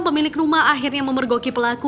pemilik rumah akhirnya memergoki pelaku